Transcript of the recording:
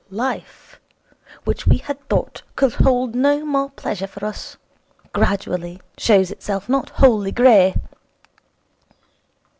Life, which we had thought could hold no more pleasure for us, gradually shows itself not wholly grey.'